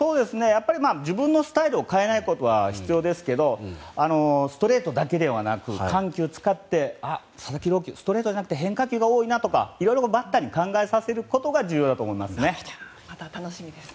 やっぱり自分のスタイルを変えないことは必要ですけどストレートだけではなく緩急を使ってああ、佐々木朗希ストレートじゃなくて変化球が多いなとかいろいろバッターに考えさせることが重要だと思います。